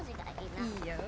いいよ。